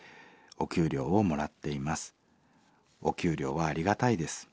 お給料はありがたいです。